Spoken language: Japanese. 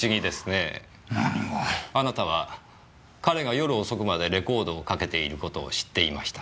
あなたは彼が夜遅くまでレコードをかけている事を知っていました。